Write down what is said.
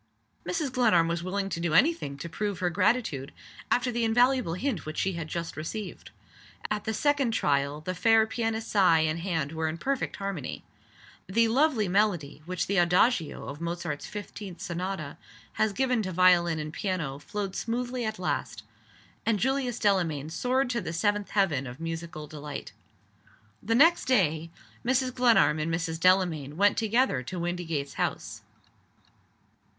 Mrs. Glenarm was willing to do any thing to prove her gratitude, after the invaluable hint which she had just received. At the second trial the fair pianist's eye and hand were in perfect harmony. The lovely melody which the Adagio of Mozart's Fifteenth Sonata has given to violin and piano flowed smoothly at last and Julius Delamayn soared to the seventh heaven of musical delight. The next day Mrs. Glenarm and Mrs. Delamayn went together to Windygates House.